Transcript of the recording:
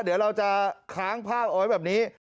เดี๋ยวเราจะค้างภาพเอาไว้แบบนี้